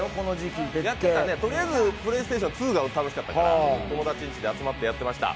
とりあえずプレイステーション２が楽しかったから友達ん家で集まってやってました。